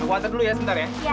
aku antar dulu ya sebentar ya